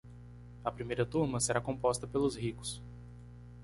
A primeira turma será composta pelos ricos.